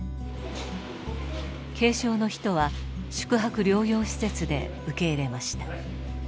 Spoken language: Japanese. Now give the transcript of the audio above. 軽症の人は宿泊療養施設で受け入れました。